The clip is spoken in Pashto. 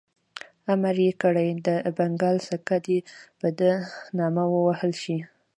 امر یې کړی د بنګال سکه دي په ده نامه ووهل شي.